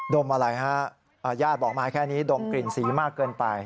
มอะไรฮะญาติบอกมาแค่นี้ดมกลิ่นสีมากเกินไป